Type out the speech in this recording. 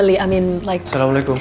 gimana keluarga mu